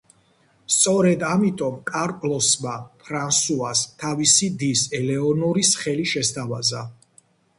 სწორედ, ამოტომ კარლოსმა ფრანსუას, თავისი დის, ელეონორის ხელი შესთავაზა.